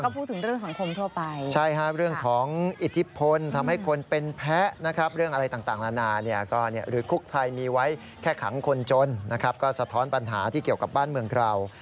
พูดถึงเรื่องสังคมทั่วไปใช่ครับเรื่องของอิทธิพลทำให้คนเป็นแพ้นะครับเรื่องอะไรต่างนานาเนี่ยก็หรือคุกไทยมีไว้แค่ขังคนจนนะครับก็สะท้อนปัญหาที่เกี่ยวกับบ้านเมืองเรา